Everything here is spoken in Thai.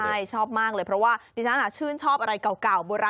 ใช่ชอบมากเลยเพราะว่าดิฉันชื่นชอบอะไรเก่าโบราณ